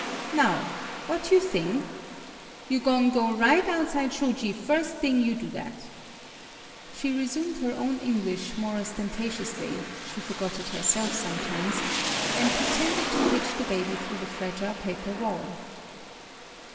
Now! What you thing? You go'n' go right outside shoji firs' thing you do that! " She resumed her own English more ostentatiously, she forgot it herself sometimes, and pretended 16 MADAME BUTTERFLY to pitch the baby through the fragile paper wall.